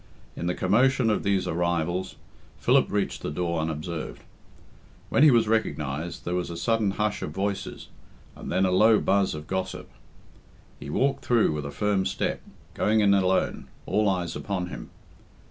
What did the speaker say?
In the commotion of these arrivals Philip reached the door unobserved. When he was recognised, there was a sudden hush of voices, and then a low buzz of gossip. He walked through with a firm step, going in alone, all eyes upon him.